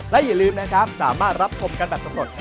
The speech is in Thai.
และอย่าลืมนะครับสามารถรับชมกันแบบสำรวจ